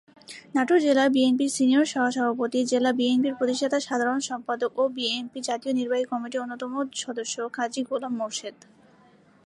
নাটোর জেলা বিএনপির সিনিয়র সহসভাপতি জেলা বিএনপির প্রতিষ্ঠাতা সাধারণ সম্পাদক ও বিএনপি জাতীয় নির্বাহী কমিটির অন্যতম সদস্য কাজী গোলাম মোর্শেদ।